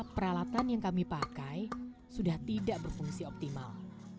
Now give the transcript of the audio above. peralatan yang kami pakai sudah tidak berfungsi optimal